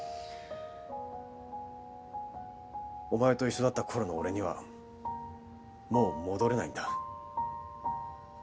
お前と一緒だった頃の俺にはもう戻れないんだ。